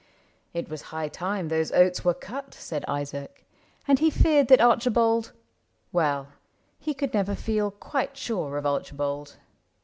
It was high time Those oats were cut, said Isaac ^ and he feared That Archibald — well, he could never feel Quite sure of Archibald.